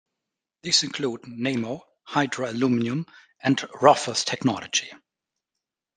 These include Nammo, Hydro Aluminium and Raufoss Technology.